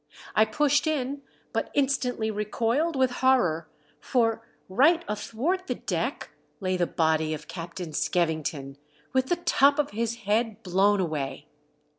I pushed in, but instantly recoiled with horror, for, right athwart the deck lay the body of Captain Skevington, with the top of his head blown away.